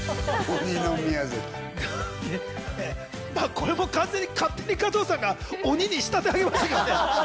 これも完全に勝手に加藤さんが鬼に仕立て上げようと。